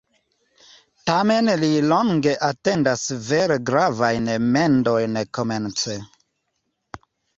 Tamen li longe atendas vere gravajn mendojn komence.